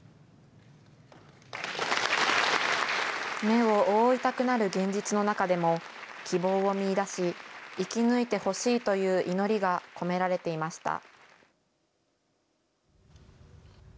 目を覆いたくなる現実の中でも、希望を見いだし、生き抜いてほしいという祈りが込められていました。